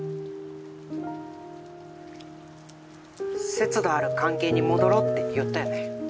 節度ある関係に戻ろうって言ったよね。